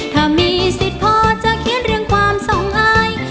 ถ้ามีสิทธิ์พอจะเขียนเรื่องความส่องอาย